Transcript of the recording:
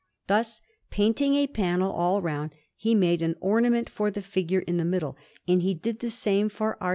Thus, painting a frame all round, he made an ornament for the figure in the middle; and he did the same for our S.